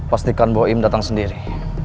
pastikan boyin datang sendiri